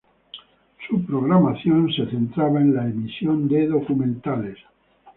Su programación se centraba en la emisión de documentales.